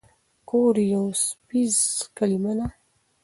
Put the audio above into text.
ګور يو څپيز کلمه ده.